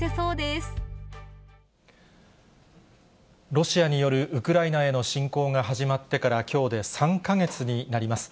ロシアによるウクライナへの侵攻が始まってから、きょうで３か月になります。